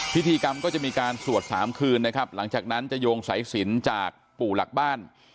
พิธีกรรมก็จะมีการสวด๓คืนนะครับหลังจากนั้นจะโยงสายสินจากปู่หลักบ้าน